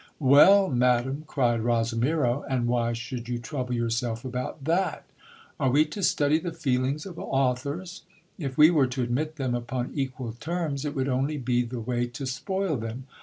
Well ! madam, cried Rosimiro, and why should you trouble yourself about that ? Are we to study the feelings of authors ? If we were to admit them upon equal terms, it would only be the way to spoil them.